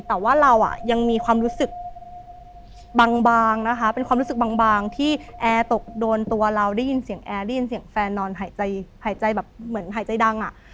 แต่ว่าเราอ่ะยังมีความรู้สึกบางนะคะเป็นความรู้สึกบางที่แอร์ตกโดนตัวเราได้ยินเสียงแอร์ได้ยินเสียงแฟนนอนหายใจหายใจแบบเหมือนหายใจดังอ่ะ